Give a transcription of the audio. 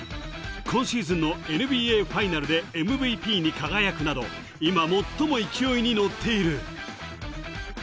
今シーズンのＮＢＡファイナルでＭＶＰに輝くなど、今、最も勢いに乗っている。